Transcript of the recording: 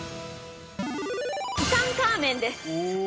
◆ツタンカーメンです。